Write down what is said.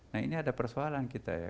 nah ini ada persoalan kita ya